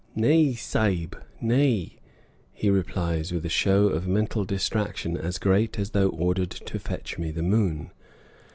"N a y, Sahib, n a y." he replies, with a show of mental distraction as great as though ordered to fetch me the moon.